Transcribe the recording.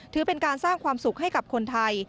ถือเป็นการสร้างความสุขให้กับคนไทย